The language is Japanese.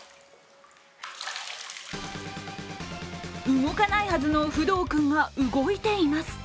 動かないはずのフドウ君が動いています。